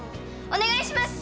お願いします！